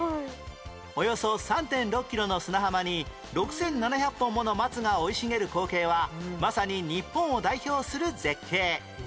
およそ ３．６ キロの砂浜に６７００本もの松が生い茂る光景はまさに日本を代表する絶景